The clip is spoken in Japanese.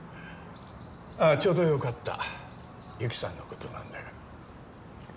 あぁちょうどよかった由紀さんのことなんだが。